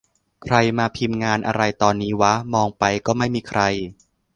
ใครมาพิมพ์งานอะไรตอนนี้วะ มองไป ก็ไม่มีใคร